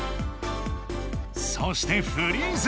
そして「フリーズ」。